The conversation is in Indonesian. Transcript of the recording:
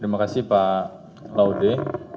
terima kasih pak laude